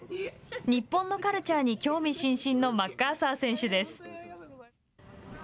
日本のカルチャーに興味津々のマッカーサー選手です。